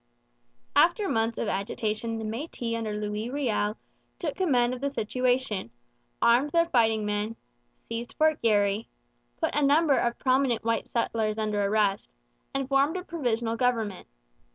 After months of agitation the Métis under Louis Riel took command of the situation, armed their fighting men, seized Fort Garry, put a number of prominent white residents under arrest, and formed a provisional government.